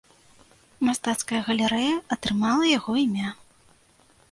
Мастацкая галерэя атрымала яго імя.